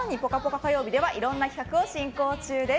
火曜日ではいろんな企画を進行中です。